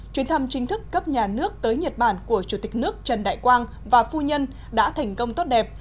chuyến thăm chính thức cấp nhà nước tới nhật bản của chủ tịch nước trần đại quang và phu nhân đã thành công tốt đẹp